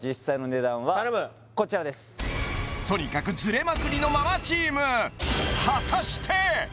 頼むとにかくズレまくりのママチーム果たして？